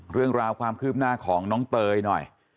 เรื่องราวความคืบหน้าของน้องเตยหน่อย